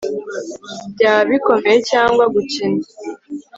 Byaba bikomeye cyangwa gukina